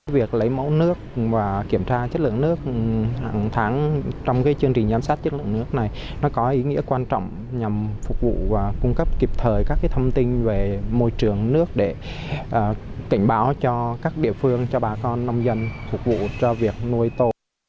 việc lấy mẫu nước và kiểm tra chất lượng nước hàng tháng trong chương trình giám sát chất lượng nước này có ý nghĩa quan trọng nhằm phục vụ và cung cấp kịp thời các thông tin về môi trường nước để cảnh báo cho các địa phương cho bà con nông dân phục vụ cho việc nuôi tô